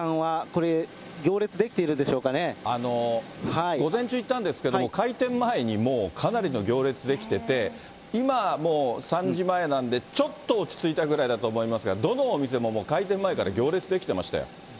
玄関はこれ、午前中行ったんですけども、開店前にもうかなりの行列出来てて、今もう、３時前なんで、ちょっと落ち着いたぐらいだと思いますが、どのお店ももう開店前から行列出来てましたよ。